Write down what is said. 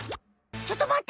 ちょっとまって！